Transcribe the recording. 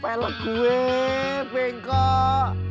pelek gue bengkok